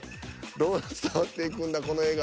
どう伝わっていくんだこの絵が。